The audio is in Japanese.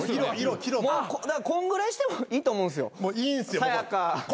こんぐらいしてもいいと思うんですよさや香。